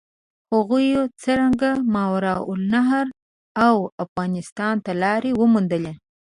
هغوی څرنګه ماورالنهر او افغانستان ته لارې وموندلې؟